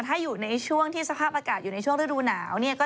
ถ้าอยู่ในช่วงที่สภาพอากาศอยู่ในช่วงฤดูหนาวเนี่ย